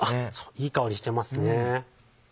いい香りしてますね。